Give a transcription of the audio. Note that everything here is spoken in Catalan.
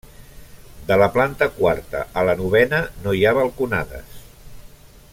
De la planta quarta a la novena no hi ha balconades.